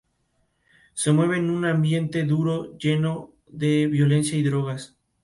Se trata de vehículos especialmente adaptadas para llevar, entre otro equipamiento, armas de fuego.